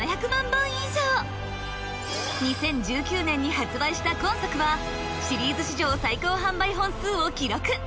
２０１９年に発売した今作はシリーズ史上最高販売本数を記録！